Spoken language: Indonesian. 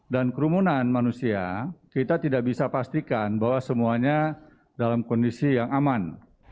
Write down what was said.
dan kerumunan manusia kita tidak bisa pastikan bahwa semuanya dalam kondisi yang aman